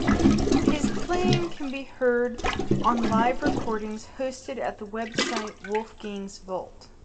His playing can be heard on live recordings hosted at the website Wolfgang's Vault.